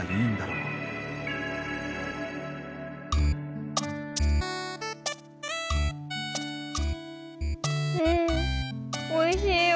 うんおいしいよ。